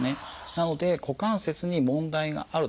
なので股関節に問題があるとですね